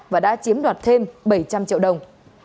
và đã chiếm đoạt thêm bảy trăm linh triệu đồng